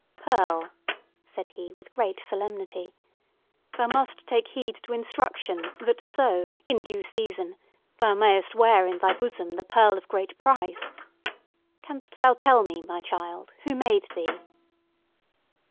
"Pearl," said he, with great solemnity, "thou must take heed to instruction, that so, in due season, thou mayest wear in thy bosom the pearl of great price. Canst thou tell me, my child, who made thee?"